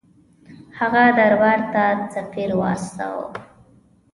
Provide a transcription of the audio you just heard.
هغه دربار ته سفیر واستاوه.